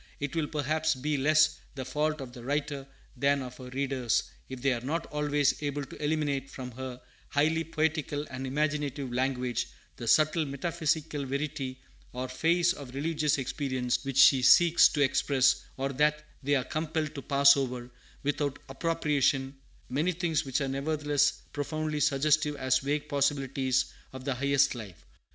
It will, perhaps, be less the fault of the writer than of her readers, if they are not always able to eliminate from her highly poetical and imaginative language the subtle metaphysical verity or phase of religious experience which she seeks to express, or that they are compelled to pass over, without appropriation, many things which are nevertheless profoundly suggestive as vague possibilities of the highest life.